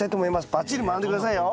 ばっちり学んで下さいよ。